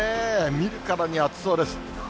見るからに暑そうです。